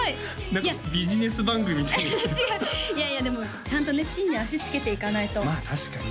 何かビジネス番組みたい違ういやいやでもちゃんとね地に足着けていかないとまあ確かにね